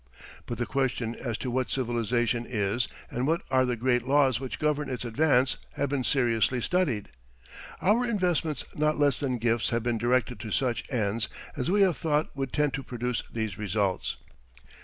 But the question as to what civilization is and what are the great laws which govern its advance have been seriously studied. Our investments not less than gifts have been directed to such ends as we have thought would tend to produce these results.